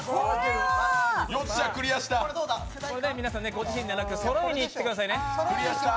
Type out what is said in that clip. ご自身ではなくてそろえにいってくださいね。